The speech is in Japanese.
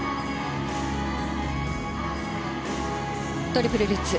トリプルルッツ。